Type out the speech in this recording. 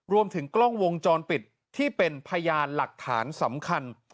รวมถึงกล้องวงจรปิดที่เป็นพยานหลักฐานสำคัญ